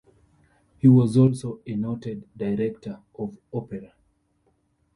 He was also a noted director of opera.